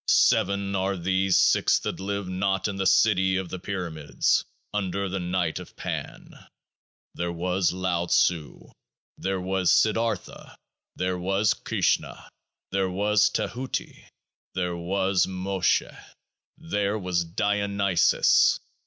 Seven 6 are these Six that live not in the City of the Pyramids, under the Night of Pan. There was Lao tzu. There was Siddartha. There was Krishna. There was Tahuti. There was Mosheh. There was Dionysus.